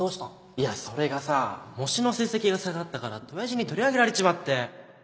いやそれがさ模試の成績が下がったからって親父に取り上げられちまって